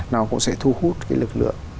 nó cũng sẽ thu hút cái lực lượng